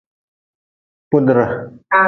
Pudre.